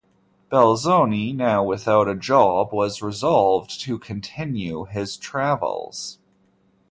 Belzoni, now without a job, was resolved to continue his travels.